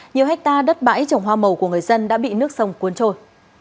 nhiều hectare đất bãi trồng hoa màu của người dân đã bị nước sông cuốn trôi